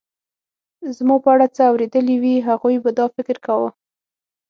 زما په اړه څه اورېدلي وي، هغوی به دا فکر کاوه.